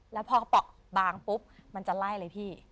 แล้วพอเขาปลอกบางปุ๊บมันจะไล่เลยพี่